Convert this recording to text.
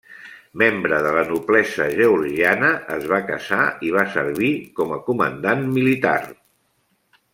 Membre de la noblesa georgiana, es va casar i va servir com a comandant militar.